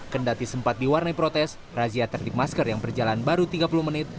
kendati sempat diwarnai protes razia teknik masker yang berjalan baru tiga puluh menit